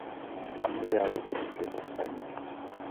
Amache awo kanisa as anyun.